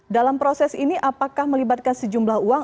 dalam proses ini apakah melibatkan sejumlah uang